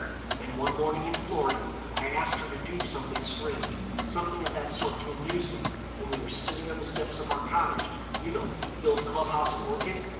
"And one morning, in Florida, I asked her to do something strange—something of that sort to amuse me—and we were sitting on the steps of our cottage—you know, the old club house at Orchid!